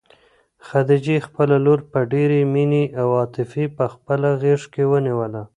خدیجې خپله لور په ډېرې مینې او عاطفې په خپله غېږ کې ونیوله.